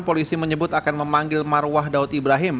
polisi menyebut akan memanggil marwah daud ibrahim